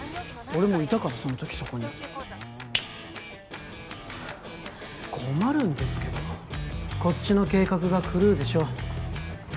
俺もいたからその時そこに困るんですけどこっちの計画が狂うでしょ